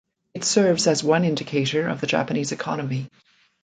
It serves as one indicator of the Japanese economy.